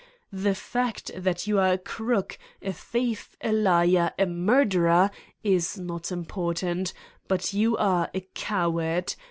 The fact that you are a crook, a thief, a liar, a murderer is not important. But you are a coward!